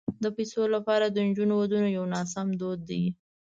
د پيسو لپاره د نجونو ودونه یو ناسم دود دی.